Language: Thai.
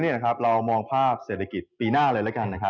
จริงแล้วเรามองภาพเศรษฐกิจปีหน้าเลย